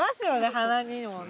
鼻にもね。